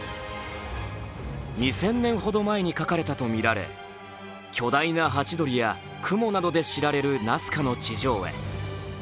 ２０００年ほど前に描かれたとみられ巨大なハチドリやクモなどで知られるナスカの地上絵。